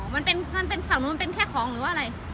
มันเป็นฝั่งนู้นมันเป็นแค่ของหรือว่าอะไร